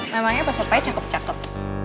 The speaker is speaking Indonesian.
memangnya pesertanya cakep cakep